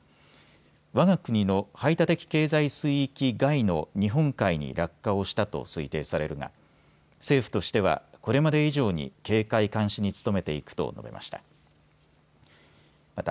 わが国の排他的経済水域外の日本海に落下をしたと推定されるが政府としてはこれまで以上に警戒・監視に努めていくと述べました。